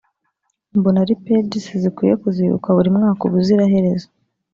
Mbona ari pages zikwiye kuzibukwa buri mwaka ubuziraherezo